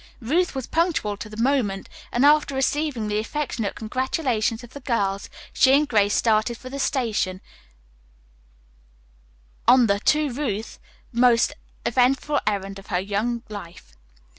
Ruth was punctual to the moment, and after receiving the affectionate congratulations of the girls, she and Grace started for the station on the, to Ruth, most eventful errand of her young life.